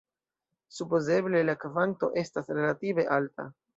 Supozeble la kvanto estas relative alta.